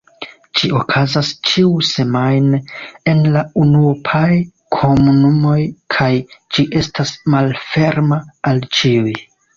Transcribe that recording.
Ĝi okazas ĉiusemajne en la unuopaj komunumoj kaj ĝi estas malferma al ĉiuj.